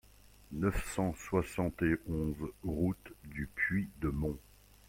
neuf cent soixante et onze route du Puy de Mont